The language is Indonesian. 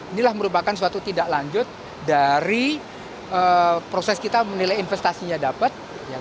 inilah merupakan suatu tindak lanjut dari proses kita menilai investasinya dapat